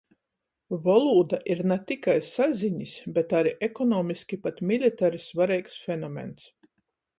Volūda ir na tikai sazinis, bet ari ekonomiski i pat militari svareigs fenomens.